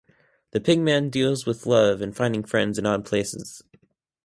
"The Pigman" deals with love and finding friends in odd places.